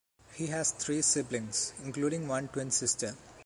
He has three siblings, including one twin sister.